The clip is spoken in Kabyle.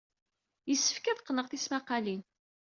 Yessefk ad qqneɣ tismaqqalin.